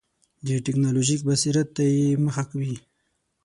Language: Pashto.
د ټکنالوژیک بصیرت ته یې مخه وي.